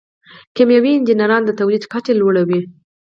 کیمیاوي انجینران د تولید کچه لوړوي.